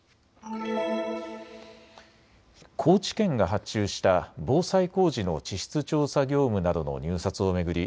高知県が発注した防災工事の地質調査業務などの入札を巡り